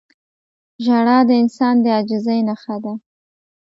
• ژړا د انسان د عاجزۍ نښه ده.